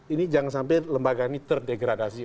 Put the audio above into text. ini jangan sampai lembaga ini terdegradasi